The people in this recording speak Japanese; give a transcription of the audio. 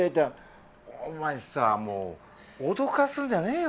お前さもう脅かすんじゃねえよ